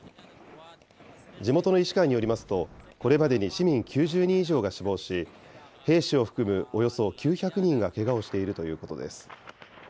地元の医師会によりますと、これまでに市民９０人以上が死亡し、兵士を含むおよそ９００人がけがをしているということです。